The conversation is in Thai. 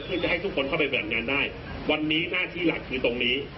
เพื่อจะให้ทุกคนเข้าไปบริหารงานได้วันนี้หน้าที่หลักคือตรงนี้